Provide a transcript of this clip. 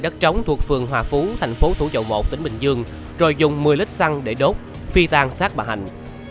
thuộc phường hòa phú thành phố thủ dậu một tỉnh bình dương rồi dùng một mươi lít xăng để đốt phi tan sát bà hạnh